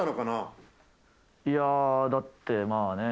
いやあだってまあね。